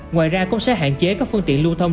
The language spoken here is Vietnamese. ngoài ra cũng sẽ hạn chế các phương tiện lưu thông